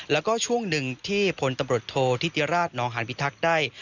แล้วก็ช่วงหนึ่งที่พลตำรวจโทษธิติราชนองหานพิทักษ์ได้